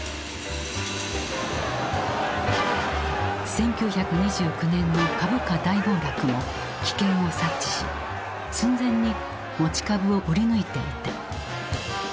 １９２９年の株価大暴落も危険を察知し寸前に持ち株を売り抜いていた。